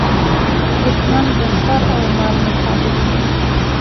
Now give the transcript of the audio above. دوښمن د سر او مال مخالف وي.